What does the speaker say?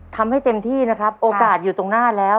ทำให้เต็มที่นะครับโอกาสอยู่ตรงหน้าแล้ว